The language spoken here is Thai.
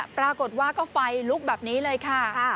ปรากฏว่าก็ไฟลุกแบบนี้เลยค่ะ